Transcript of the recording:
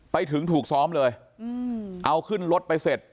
ไปถึงถูกซ้อมเลยเอาขึ้นรถไปเสร็จ